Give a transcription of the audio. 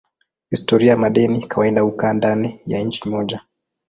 Historia ya madeni kawaida hukaa ndani ya nchi moja.